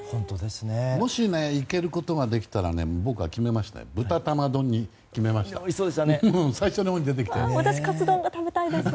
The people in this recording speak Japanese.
もし行けることができたら僕は豚玉丼に決めましたよ。